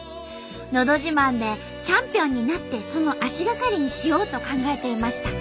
「のど自慢」でチャンピオンになってその足がかりにしようと考えていました。